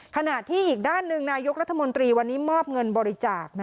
ขณะที่อีกด้านหนึ่งนายกรัฐมนตรีวันนี้มอบเงินบริจาค